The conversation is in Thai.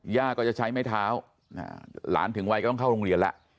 ย่าก็จะใช้ไม้เท้าหลานถึงวัยก็ต้องเข้าโรงเรียนแล้ว